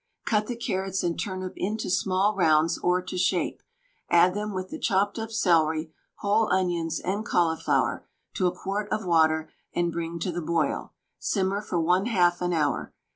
Cut the carrots and turnip into small rounds, or to shape; add them with the chopped up celery, whole onions, and cauliflower, to a quart of water, and bring to the boil; simmer for 1/2 an hour.